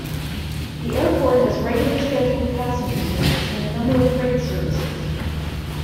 The airport has regular scheduled passenger service and a number of freight services.